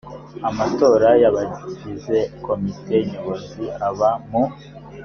amatora y abagize komite nyobozi aba mu